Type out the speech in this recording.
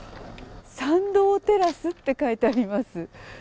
参道テラスって書いてあります！